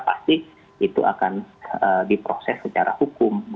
pasti itu akan diproses secara hukum